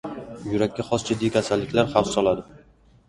Yurakka xos jiddiy kasalliklar xavf soladi.